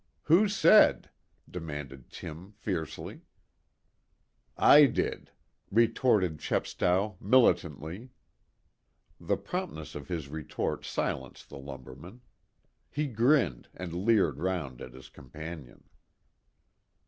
"Who said?" demanded Tim fiercely. "I did," retorted Chepstow militantly. The promptness of his retort silenced the lumberman. He grinned, and leered round at his companion.